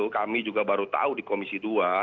kami juga baru tahu di komisi dua